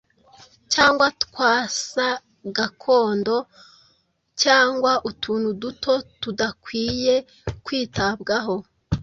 cyangwa' twas gakondo, cyangwa utuntu duto tudakwiye kwitabwaho